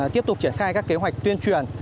tiếp tục triển khai các kế hoạch tuyên truyền